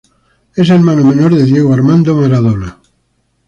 Es hermano menor de Diego Armando Maradona.